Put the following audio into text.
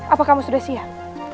apa kamu sudah siap